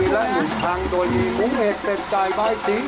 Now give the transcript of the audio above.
ปีและหนึ่งทางโดยภูเขตเป็นใจปลายสิ้น